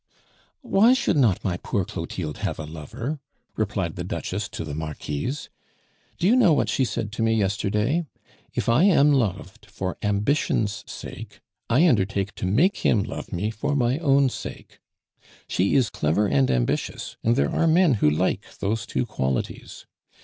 '" "Why should not my poor Clotilde have a lover?" replied the Duchess to the Marquise. "Do you know what she said to me yesterday? 'If I am loved for ambition's sake, I undertake to make him love me for my own sake.' She is clever and ambitious, and there are men who like those two qualities.